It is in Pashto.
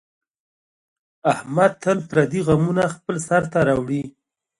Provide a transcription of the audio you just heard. احمد تل پردي غمونه خپل سر ته راوړي.